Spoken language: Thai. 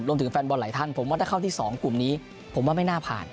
แฟนบอลหลายท่านผมว่าถ้าเข้าที่๒กลุ่มนี้ผมว่าไม่น่าผ่าน